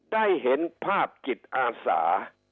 ได้เห็นภาพจิตอาสา